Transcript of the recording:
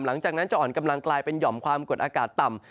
หลังจากนั้นจะอ่อนกำลังกลายเป็นหย่อมความกดอากาศต่ำ